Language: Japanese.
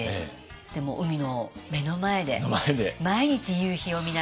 でもう海の目の前で毎日夕日を見ながら。